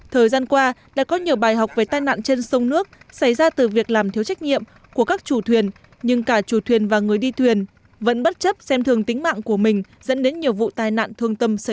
thời gian qua đã có nhiều bài học về tai nạn trên sông nước xảy ra từ việc làm thiếu trách nhiệm của các chủ thuyền nhưng cả chủ thuyền và người đi thuyền vẫn bất chấp xem thường tính mạng của mình dẫn đến nhiều vụ tai nạn thương tâm xảy ra